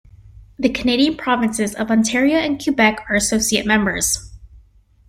The Canadian provinces of Ontario and Quebec are associate members.